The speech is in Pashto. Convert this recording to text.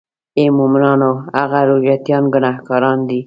آی مومنانو هغه روژه تیان ګناهګاران دي.